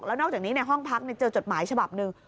แล้วนอกจากนี้ในห้องพักเจอจดหมายฉบับหนึ่ง